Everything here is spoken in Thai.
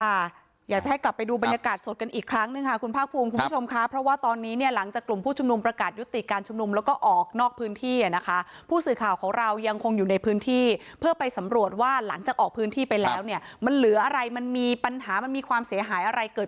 อยากจะให้กลับไปดูบรรยากาศสดกันอีกครั้งหนึ่งค่ะคุณภาคภูมิคุณผู้ชมค่ะเพราะว่าตอนนี้เนี่ยหลังจากกลุ่มผู้ชุมนุมประกาศยุติการชุมนุมแล้วก็ออกนอกพื้นที่อ่ะนะคะผู้สื่อข่าวของเรายังคงอยู่ในพื้นที่เพื่อไปสำรวจว่าหลังจากออกพื้นที่ไปแล้วเนี่ยมันเหลืออะไรมันมีปัญหามันมีความเสียหายอะไรเกิด